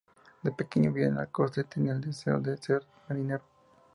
De pequeño vivió en la costa y tenía el deseo de ser marinero.